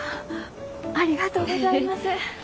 ありがとうございます。